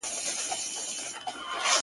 o بوچ د اختري خلاص دئ.